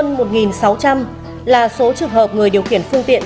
hơn một sáu trăm linh là số trực hợp người điều khiển phương tiện